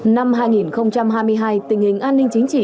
năm hai nghìn hai mươi hai tình hình an ninh chính trị